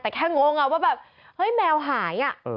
แต่แค่งงว่าแบบเฮ้ยแมวหาย